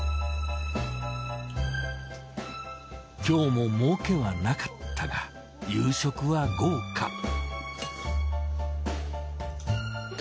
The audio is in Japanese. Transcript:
今日も儲けはなかったが夕食は豪華。